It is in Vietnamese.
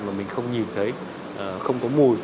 mà mình không nhìn thấy không có mùi